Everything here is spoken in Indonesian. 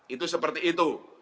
itu seperti itu